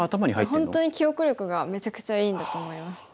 本当に記憶力がめちゃくちゃいいんだと思います。